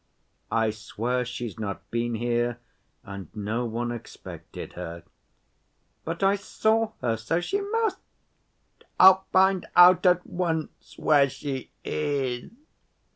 "I swear she's not been here, and no one expected her." "But I saw her.... So she must ... I'll find out at once where she is....